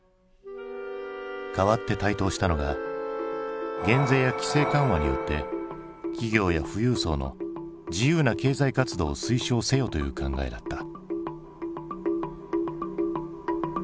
かわって台頭したのが減税や規制緩和によって企業や富裕層の自由な経済活動を推奨せよという考えだった。